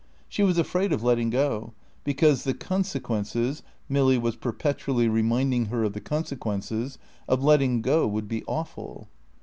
She was afraid of letting go, because the consequences (Milly was perpetually reminding her of the consequences) of letting go would be awful.